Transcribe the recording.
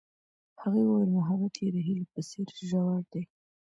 هغې وویل محبت یې د هیلې په څېر ژور دی.